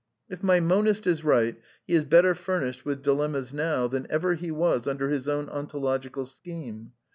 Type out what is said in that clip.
If my monist is right, he is better furnished with di lemmas now than ever he was under his own ontological scheme.